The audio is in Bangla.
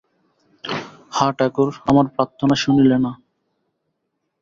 হা ঠাকুর, আমার প্রার্থনা শুনিলে না।